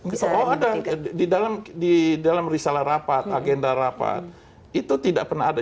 kalau ada di dalam risalah rapat agenda rapat itu tidak pernah ada